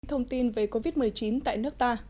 thông tin về covid một mươi chín tại nước ta